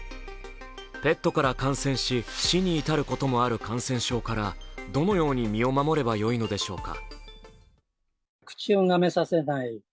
ペットから感染し死に至ることもある感染症からどのように身を守ればよいのでしょうか。